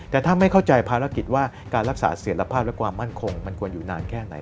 แต่ถ้าไม่อยากเข้าใจปรากฏว่าการรักษาเสือกภาพและกว่ามั่นคงควรอยู่นานแค่ไหน